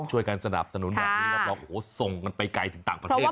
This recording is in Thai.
ช่วยกันสนับสนุนแบบนี้รับรองโอ้โหส่งกันไปไกลถึงต่างประเทศ